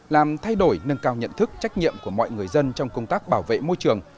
làm thay đổi nâng cao nhận thức trách nhiệm của mọi người dân trong công tác bảo vệ môi trường